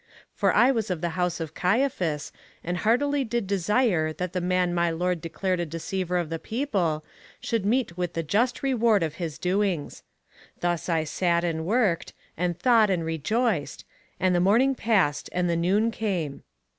For I was of the house of Caiaphas, and heartily did desire that the man my lord declared a deceiver of the people, should meet with the just reward of his doings. Thus I sat and worked, and thought and rejoiced; and the morning passed and the noon came.